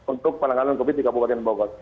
untuk penanganan covid di kabupaten bogor